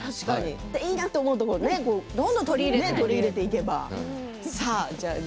いいなというところをどんどん取り入れていければ。